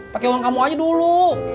pakai uang kamu aja dulu